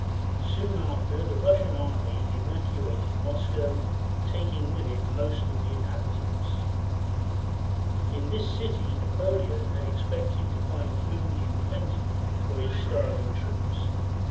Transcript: Soon after the Russian army evacuated Moscow, taking with it most of the inhabitants. In this city Napoleon had expected to find food in plenty for his starving troops.